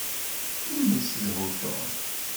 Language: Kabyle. Kemmel ssedhu Tom.